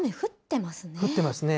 降ってますね。